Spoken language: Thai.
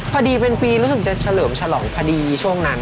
พอดีเป็นปีรู้สึกจะเฉลิมฉลองพอดีช่วงนั้น